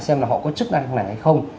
xem là họ có chức năng này hay không